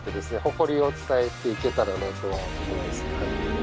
誇りを伝えていけたらなとは思います